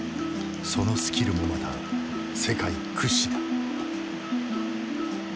そのスキルもまた世界屈指だ。